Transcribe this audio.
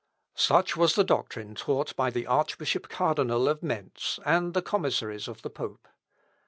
Such was the doctrine taught by the Archbishop Cardinal of Mentz, and the commissaries of the pope.